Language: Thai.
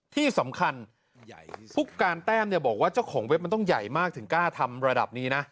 ที่สำคัญผู้การแต้มบอกว่าเจ้าของเว็บมันต้องใหญ่มากถึงกล้าทำระดับนี้นะ